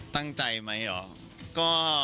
ตั้งใจไหมเหรอ